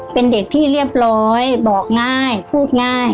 เป็นเด็กที่เรียบร้อยบอกง่ายพูดง่าย